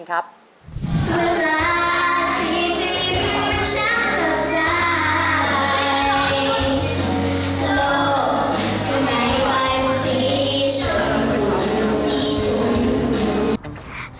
โลกทำไมไว้บุษิชน